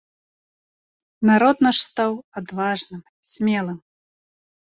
Народ наш стаў адважным, смелым.